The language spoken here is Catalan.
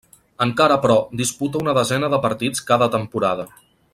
Encara però, disputa una desena de partits cada temporada.